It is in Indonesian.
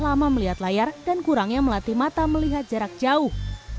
lama melihat layar dan kurangnya melatih mata melihat jarak jauh